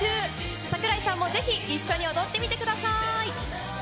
櫻井さんもぜひ一緒に踊ってみてください。